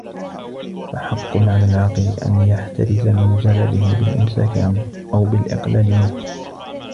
فَحَقٌّ عَلَى الْعَاقِلِ أَنْ يَحْتَرِزَ مِنْ زَلَلِهِ بِالْإِمْسَاكِ عَنْهُ أَوْ بِالْإِقْلَالِ مِنْهُ